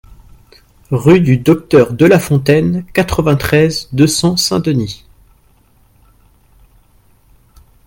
Rue du Docteur Delafontaine, quatre-vingt-treize, deux cents Saint-Denis